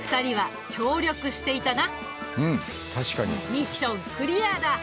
ミッションクリアだ！